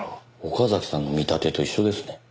岡崎さんの見立てと一緒ですね。